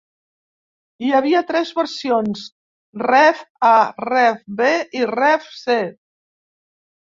Hi havia tres versions: RevA, RevB i RevC.